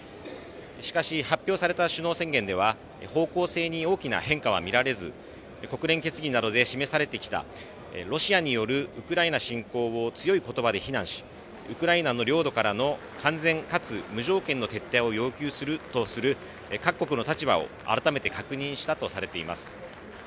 しかし、発表された首脳宣言では方向性に大きな変化は見られず国連決議などで示されてきたロシアによるウクライナ侵攻を強い言葉で非難しウクライナの領土からの完全かつ無条件の撤退を要求するとする各国の立場を改めて確認したとされています。